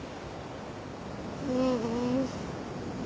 うん。